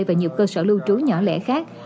và nhiều cơ sở lưu trú nhỏ lẻ khác